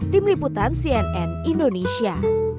tim liputan cnn indonesia